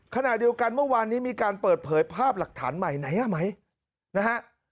ขณะเดียวกันเมื่อวานนี้มีการเปิดเผยภาพหลักฐานใหม่ไหนอ่ะไหมนะฮะ